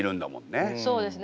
そうですね。